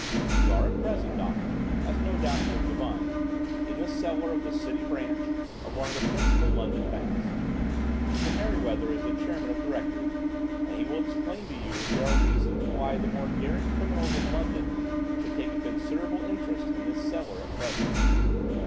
We are at present, Doctor—as no doubt you have divined—in the cellar of the City branch of one of the principal London banks. Mr. Merryweather is the chairman of directors, and he will explain to you that there are reasons why the more daring criminals of London should take a considerable interest in this cellar at present."